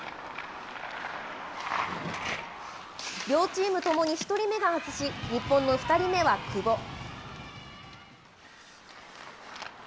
両チームともに１人目が外し、日本の２人目は久保。